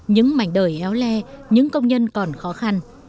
những mảnh đời éo le những công nhân còn khó khăn